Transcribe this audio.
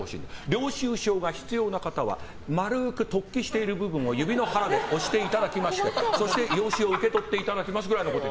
領収書が必要な方は丸く突起している部分を指の腹で押していただきましてそして用紙を受け取っていただきますでいい。